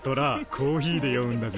コーヒーで酔うんだぜ。